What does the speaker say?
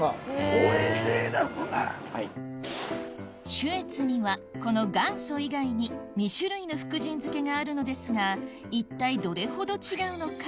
酒悦にはこの「元祖」以外に２種類の福神漬があるのですが一体どれほど違うのか？